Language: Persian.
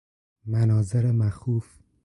مناظر مخوف